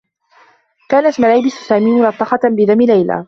كانت ملابس سامي ملطّخة بدم ليلى.